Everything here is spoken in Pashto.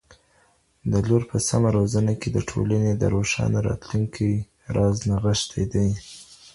د لور په سمه روزنه کي د ټولنې د روښانه راتلونکي راز نغښتی دی.